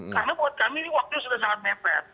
karena buat kami ini waktu sudah sangat mepet